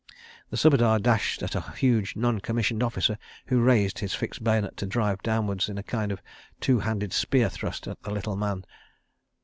The Subedar dashed at a huge non commissioned officer who raised his fixed bayonet to drive downward in a kind of two handed spear thrust at the little man.